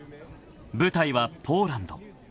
［舞台はポーランド］